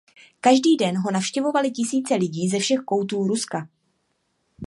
Každý den ho navštěvovaly tisíce lidí ze všech koutů Ruska.